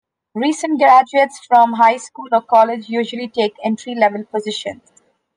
Recent graduates from high school or college usually take entry-level positions.